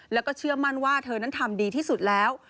แล้วก็เชื่อมั่นว่าเธอนั้นทำดีที่สุดแล้ว